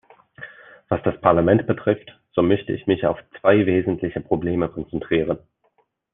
Was das Parlament betrifft, so möchte ich mich auf zwei wesentliche Probleme konzentrieren.